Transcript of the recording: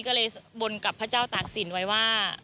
ก็เลยบนกับพระเจ้าตากศิลปไว้ว่า